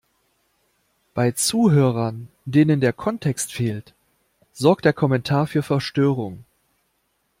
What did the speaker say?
Bei Zuhörern, denen der Kontext fehlt, sorgt der Kommentar für Verstörung.